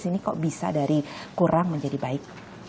ini kok bisa dari kurang menjadi baik